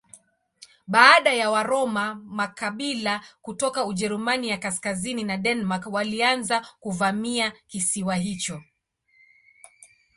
Baada ya Waroma makabila kutoka Ujerumani ya kaskazini na Denmark walianza kuvamia kisiwa hicho.